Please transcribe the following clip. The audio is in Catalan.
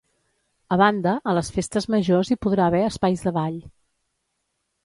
A banda, a les festes majors hi podrà haver espais de ball.